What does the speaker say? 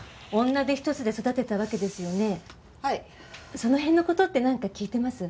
その辺の事ってなんか聞いてます？